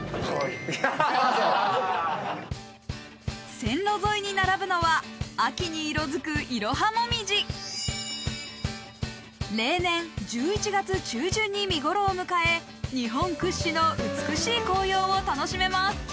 線路沿いに並ぶのは秋に色づくイロハモミジ例年１１月中旬に見頃を迎え日本屈指の美しい紅葉を楽しめます